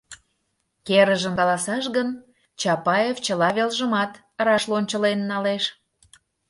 Керыжым каласаш гын, Чапаев чыла велжымат раш лончылен налеш.